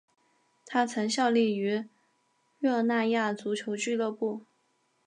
他曾效力于热那亚足球俱乐部。